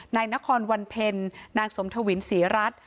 นายนครวันเพ็ญนางสมทวินศรีรัฐ